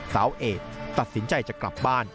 สาวเอกตัดสินใจจะกลับบ้าน